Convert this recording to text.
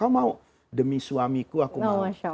oh mau demi suamiku aku mau